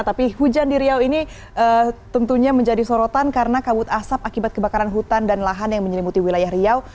tapi hujan di riau ini tentunya menjadi sorotan karena kabut asap akibat kebakaran hutan dan lahan yang menyelimuti wilayah riau